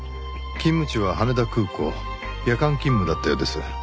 勤務地は羽田空港夜間勤務だったようです。